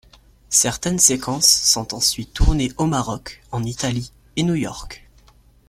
Certaines séquences sont ensuite tournées au Maroc, en Italie et New York.